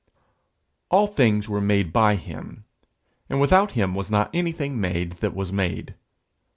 _All things were made by him, and without him was not anything made that was made.